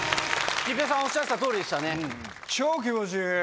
桔平さんおっしゃってたとおりでしたね。